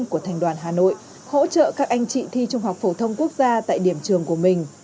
các công việc sẽ vất vả hơn những môn thi của thành đoàn hà nội hỗ trợ các anh chị thi trung học phổ thông quốc gia tại điểm trường của mình